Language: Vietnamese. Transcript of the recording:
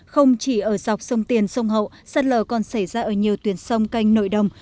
không chỉ ở dọc sông tiền sông hậu sạt lở còn xảy ra ở nhiều tuyển sông canh nội đồng